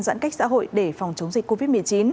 giãn cách xã hội để phòng chống dịch covid một mươi chín